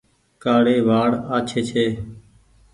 ڪآڙي وآڙ آڇي ڇي۔